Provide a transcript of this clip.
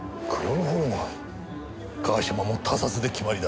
川島も他殺で決まりだ。